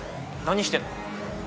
何してんの？